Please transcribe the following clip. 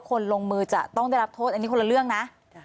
คนลงมือจะต้องได้รับโทษอันนี้คนละเรื่องนะ